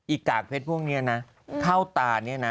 อีกกากเพชรพวกนี้นะเข้าตานี้นะ